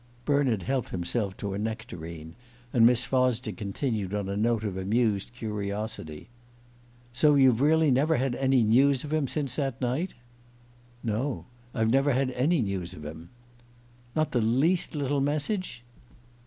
Bernald helped himself to a nectarine, and Miss Fosdick continued on a note of amused curiosity: "So you've really never had any news of him since that night?" "No I've never had any news of him." "Not the least little message?"